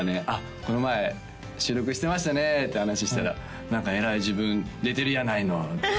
「この前収録してましたね」って話したら「何かえらい自分出てるやないの」